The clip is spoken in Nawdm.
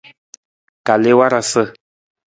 Kal i warasa.